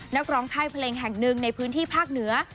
นักร้องค่ายเพลงแห่งหนึ่งในพื้นที่ภาคเหนือ